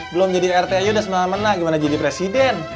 belum jadi rt aja udah semena mena gimana jadi presiden